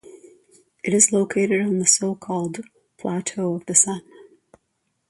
It is located on the so-called "plateau of the Sun".